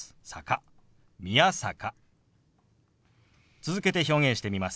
続けて表現してみます。